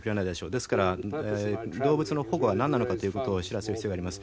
ですから動物の保護はなんなのかという事を知らせる必要があります。